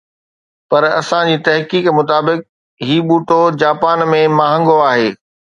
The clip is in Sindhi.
پر اسان جي تحقيق مطابق هي ٻوٽو جاپان ۾ مهانگو آهي